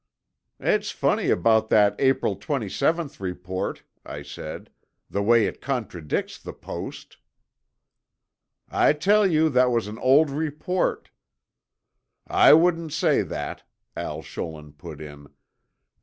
"It's funny about that April twenty seventh report," I said, "the way it contradicts the Post." "I tell you that was an old report—" "I wouldn't say that," Al Scholin put in.